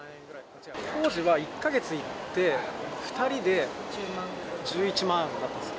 当時は１か月行って、２人で１１万だったんです。